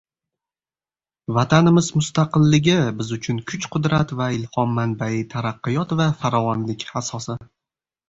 Vatanimiz mustaqilligi – biz uchun kuch-qudrat va ilhom manbai, taraqqiyot va farovonlik asosi